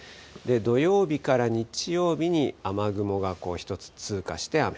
土曜日から日曜日に雨雲が１つ通過して、雨。